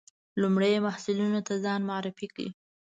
لومړي محصلینو ته ځان معرفي کړ.